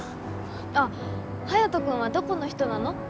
あっハヤト君はどこの人なの？